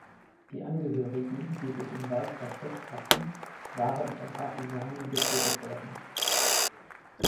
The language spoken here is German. Die Angehörigen, die sich im Wald versteckt hatten, waren von Partisanen getötet worden.